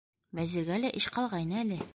Вәзиргә лә эш ҡалғайны әле: